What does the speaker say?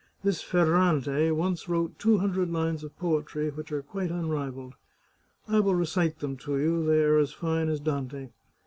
This Ferrante once wrote two hundred lines of poetry, which are quite unrivalled. I will recite them to you ; they are as fine as Dante.